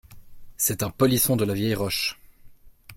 C’est un polisson de la vieille roche !